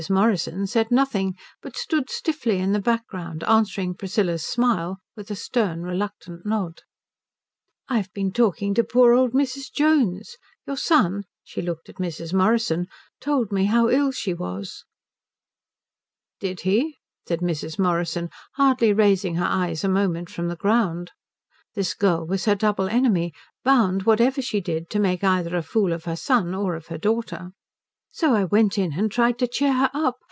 Morrison said nothing but stood stiffly in the background, answering Priscilla's smile with a stern, reluctant nod. "I've been talking to poor old Mrs. Jones. Your son" she looked at Mrs. Morrison "told me how ill she was." "Did he?" said Mrs. Morrison, hardly raising her eyes a moment from the ground. This girl was her double enemy: bound, whatever she did, to make either a fool of her son or of her daughter. "So I went in and tried to cheer her up.